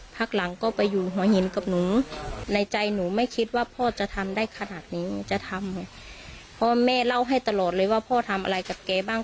เพราะแม่เล่าให้ตลอดเลยว่าพ่อทำอะไรกับเก๊บ้าง